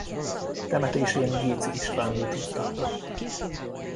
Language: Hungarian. Temetésén Géczy István búcsúztatta.